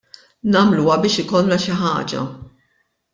Nagħmluha biex ikollna xi ħaġa.